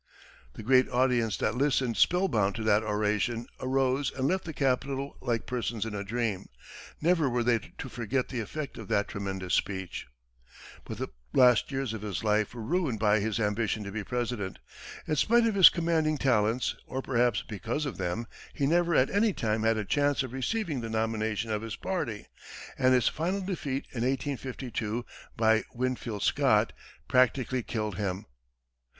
The great audience that listened spellbound to that oration, arose and left the Capitol like persons in a dream. Never were they to forget the effect of that tremendous speech. But the last years of his life were ruined by his ambition to be President. In spite of his commanding talents, or, perhaps, because of them, he never at any time had a chance of receiving the nomination of his party, and his final defeat in 1852, by Winfield Scott, practically killed him.